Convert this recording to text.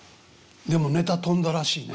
でもネタ飛んだらしいね。